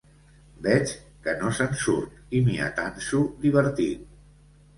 Veig que no se'n surt i m'hi atanso divertit.